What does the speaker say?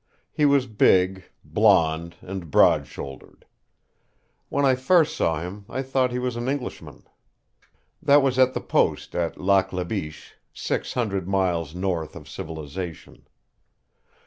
He was big, blond, and broad shouldered. When I first saw him I thought he was an Englishman. That was at the post at Lac la Biche, six hundred miles north of civilization.